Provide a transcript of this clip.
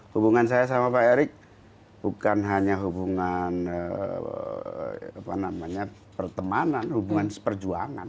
hubungan saya sama pak erick bukan hanya hubungan pertemanan hubungan seperjuangan